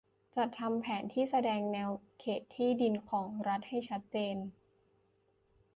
จัดทำแผนที่แสดงแนวเขตที่ดินของรัฐให้ชัดเจน